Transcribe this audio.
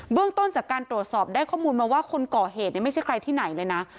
เรื่องต้นจากการตรวจสอบได้ข้อมูลมาว่าคนก่อเหตุไม่ใช่ใครที่ไหนเลยนะ